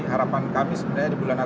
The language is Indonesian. harapan kami sebenarnya di bulan april